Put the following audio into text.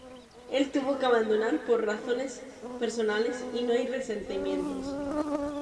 Él tuvo que abandonar por razones personales y no hay resentimientos.